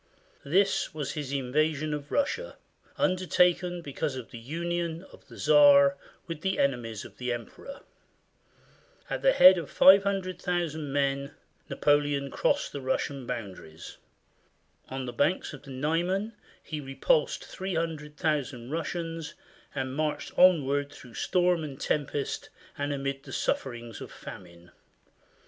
This was his invasion of Russia, undertaken because of the union of the Czar with the enemies of the emperor. At the head of 500,000 men, Napoleon crossed the Russian boundaries. On the banks of the Niemen he repulsed 300,000 Russians and marched on ward through storm and tempest and amid the sufferings of famine.